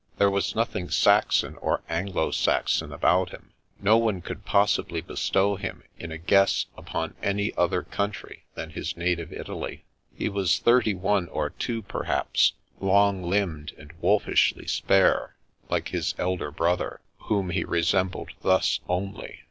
There was nothing Saxon or Anglo Saxon about him. No one could possibly bestow him — in a guess — upon any other country than his native Italy. He was thirty one or two perhaps, long limbed and wolfishly spare, like his elder brother, whom he resembled thus only.